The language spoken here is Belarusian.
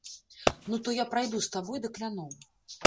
Ну то я прайду з табой да кляноў.